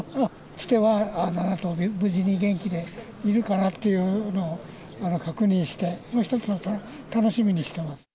来ては、７頭無事で元気でいるかなっていうのを確認して、一つの楽しみにしてます。